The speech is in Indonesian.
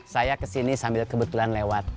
saya kesini sambil kebetulan lewat